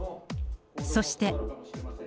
そして。